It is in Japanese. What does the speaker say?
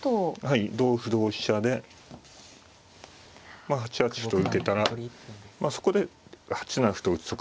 はい同歩同飛車でまあ８八歩と受けたらそこで８七歩と打つとか。